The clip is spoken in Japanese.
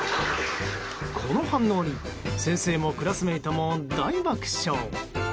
この反応に先生もクラスメートも大爆笑。